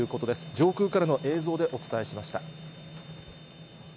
上空からの映像でお伝えしました。